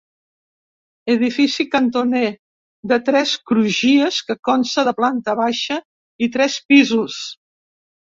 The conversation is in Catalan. Edifici cantoner de tres crugies que consta de planta baixa i tres pisos.